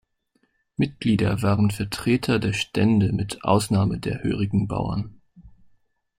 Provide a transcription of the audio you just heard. Mitglieder waren Vertreter der Stände mit Ausnahme der hörigen Bauern.